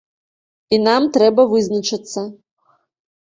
І нам трэба вызначыцца.